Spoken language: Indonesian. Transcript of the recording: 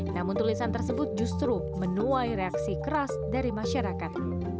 namun tulisan tersebut justru menuai reaksi keras dari masyarakat